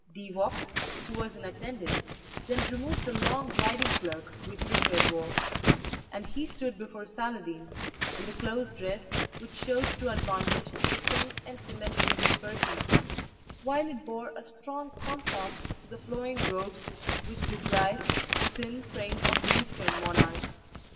De Vaux, who was in attendance, then removed the long riding cloak which Richard wore, and he stood before Saladin in the close dress which showed to advantage the strength and symmetry of his person, while it bore a strong contrast to the flowing robes which disguised the thin frame of the Eastern monarch.